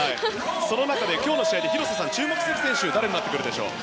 その中で今日の試合で広瀬さんが注目する選手は誰になってくるでしょう？